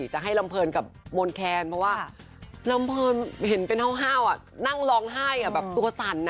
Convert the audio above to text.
เจ้าน่าวนั่งร้องไห้แบบตัวสั่น